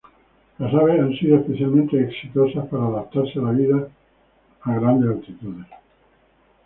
Las aves han sido especialmente exitosas para adaptarse a la vida a grandes altitudes.